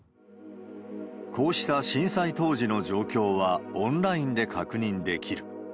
こうした震災当時の状況は、オンラインで確認できる。